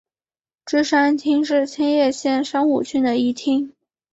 芝山町是千叶县山武郡的一町。